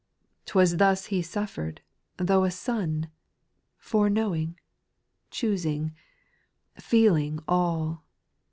8. 'T was thus He suffered, though a Son, Foreknowing, choosing, feeling all.